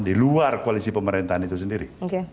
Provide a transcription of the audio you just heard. di luar koalisi pemerintahan itu sendiri